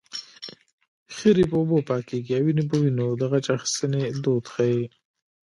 خیرې په اوبو پاکېږي او وينې په وينو د غچ اخیستنې دود ښيي